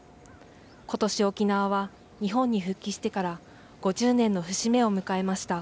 ことし、沖縄は日本に復帰してから５０年の節目を迎えました。